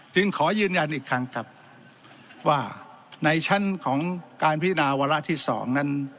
ขอยืนยันอีกครั้งครับว่าในชั้นของการพิจารณาวาระที่๒นั้น